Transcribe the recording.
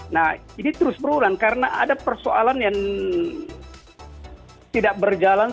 nah ini terus berulang karena ada persoalan yang tidak berjalan